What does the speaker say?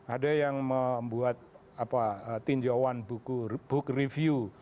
ada yang membuat tinjauan book review